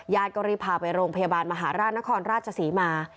ก็รีบพาไปโรงพยาบาลมหาราชนครราชศรีมา